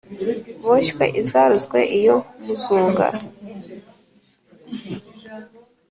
Boshye izarozwe iyo muzunga.